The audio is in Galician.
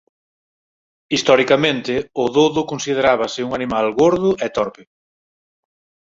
Historicamente o dodo considerábase un animal gordo e torpe.